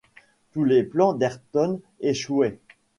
Tous les plans d’Ayrton échouaient